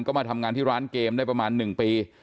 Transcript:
ก็มาทำงานที่ร้านเกมได้ประมาณ๑ปี